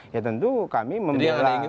ya tentu kami membela